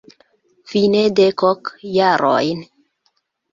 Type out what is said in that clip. Vi ne dek ok jarojn.